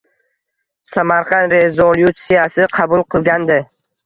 Samarqand rezolyutsiyasi qabul qilingandi